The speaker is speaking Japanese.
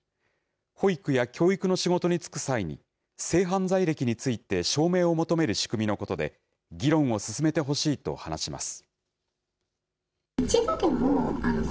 保育や教育の仕事に就く際に、性犯罪歴について証明を求める仕組みのことで、議論を進めてほしいと話します。